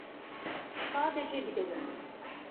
Sadece gidelim.